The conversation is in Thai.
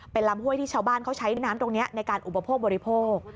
เป็นลำห้วยที่ชาวบ้านเขาใช้น้ำตรงนี้ในการอุปโภคบริโภค